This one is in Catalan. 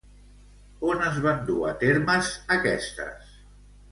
On es van dur a termes aquestes?